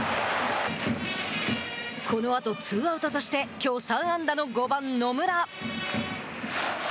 このあと、ツーアウトとしてきょう３安打の５番、野村。